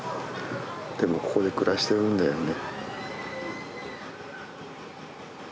でもここで暮らしてるんだよね。